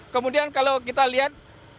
kemudian kalau kita lihat